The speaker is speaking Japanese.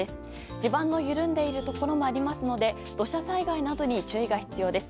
地盤の緩んでいるところもありますので土砂災害などに注意が必要です。